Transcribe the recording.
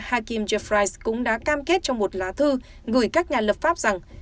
hạ viện hakeem jeffries cũng đã cam kết trong một lá thư gửi các nhà lập pháp rằng